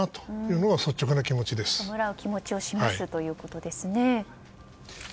弔う気持ちを示すということですね。